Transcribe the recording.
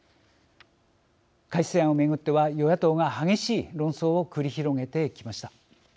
改正案を巡っては与野党が激しい論争を繰り広げてきました。